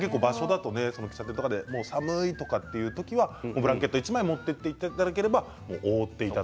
喫茶店とかで寒いという時にはブランケット１枚持っておいていただければ覆っておいて。